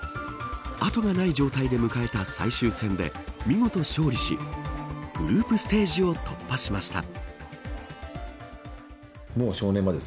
後がない状態で迎えた最終戦で見事勝利し、グループステージを突破しました。